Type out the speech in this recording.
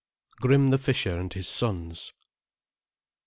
GRIM THE FISHER AND HIS SONS.